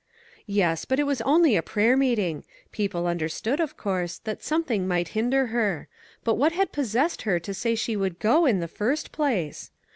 Yes ; but it was only a prayer meeting. People understood, of course, that something might hinder her. But what had possessed her to say she would go, in the first place